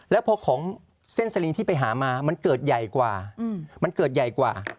แล้วพอของเส้นสลิงที่ไปหามามันเกิดใหญ่กว่ามันเกิดใหญ่กว่า